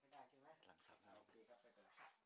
หลังเสาร์ครับ